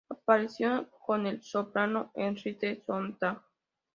Apareció con el soprano Henriette Sontag.